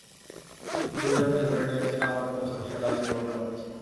দুজনেই ধরে নিয়েছিলাম আমরা পচনশীল লাশের গন্ধ পাচ্ছি।